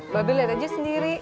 lagi liat aja sendiri